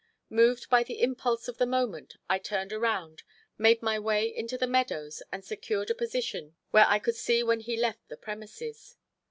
Moved by the impulse of the moment I turned around, made my way into the meadows and secured a position where I could see when he left the premises.